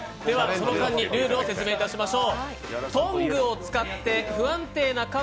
ルールを説明いたしましょう。